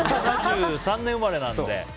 １９７３年生まれなんで。